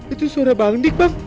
itu suara bang dik bang